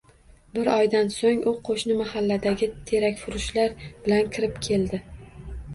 Bir oydan so‘ng u qo‘shni mahalladagi terakfurushlar bilan kirib keldi